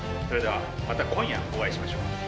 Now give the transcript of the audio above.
それではまた今夜お会いしましょう。